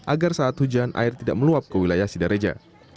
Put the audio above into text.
agar saat hujan air tidak meluap ke wilayah sidareja